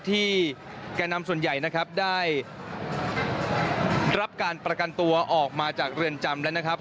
แก่นำส่วนใหญ่นะครับได้รับการประกันตัวออกมาจากเรือนจำแล้วนะครับ